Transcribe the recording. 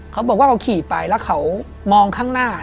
เขาบอกว่าเขาขี่ไปแล้วเขามองข้างหน้า